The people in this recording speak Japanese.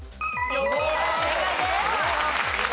正解です。